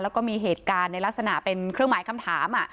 แล้วก็มีเหตุการณ์ในลักษณะเป็นเครื่องหมายคำถาม